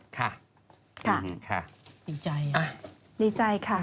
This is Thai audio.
ค่ะดีใจดีใจค่ะ